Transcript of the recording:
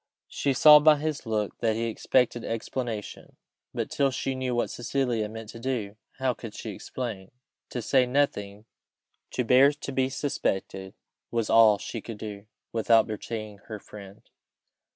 She saw by his look that he expected explanation; but till she knew what Cecilia meant to do, how could she explain? To say nothing to bear to be suspected, was all she could do, without betraying her friend.